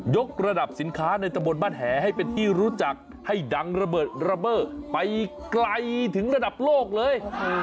กระดับสินค้าในตะบนบ้านแหให้เป็นที่รู้จักให้ดังระเบิดระเบิดไปไกลถึงระดับโลกเลย